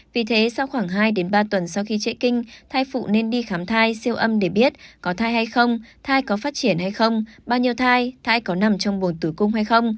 vì thế sau khoảng hai ba tuần sau khi trễ kinh thai phụ nên đi khám thai siêu âm để biết có thai hay không thai có phát triển hay không bao nhiêu thai thai có nằm trong bồn tử cung hay không